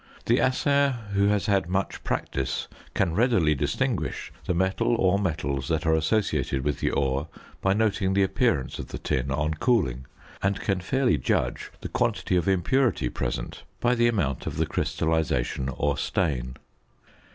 The assayer who has had much practice can readily distinguish the metal or metals that are associated with the ore by noting the appearance of the tin on cooling; and can fairly judge the quantity of impurity present by the amount of the crystallisation or stain.